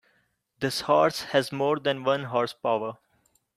This horse has more than one horse power.